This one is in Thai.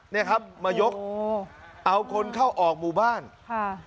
เนี่ยครับมายกเอาคนเข้าออกหมู่บ้านค่ะ